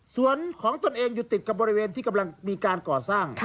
ส่วนของตนเองอยู่ติดกับบริเวณที่กำลังมีการก่อสร้าง